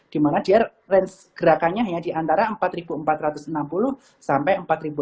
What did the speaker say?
dimana dia range gerakannya hanya di antara empat empat ratus enam puluh sampai empat ratus